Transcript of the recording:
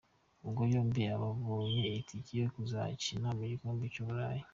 Ubwo yombi abe abonye itike yo kuzakina mu gikombe cy'Uburayi.